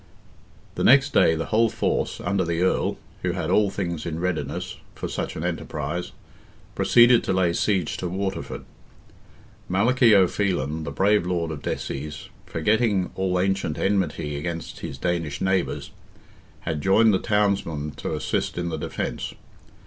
The next day the whole force, under the Earl, "who had all things in readiness" for such an enterprise, proceeded to lay siege to Waterford. Malachy O'Phelan, the brave lord of Desies, forgetting all ancient enmity against his Danish neighbours, had joined the townsmen to assist in the defence.